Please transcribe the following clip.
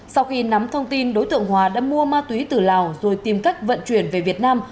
sau khi nắm thông tin đối tượng hòa đã mua ma túy từ lào rồi tìm cách vận chuyển về việt nam